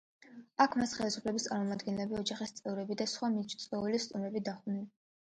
აქ მას ხელისუფლების წარმოამდგენლები, ოჯახის წევრები და სხვა მიწვეული სტუმრები დახვდნენ.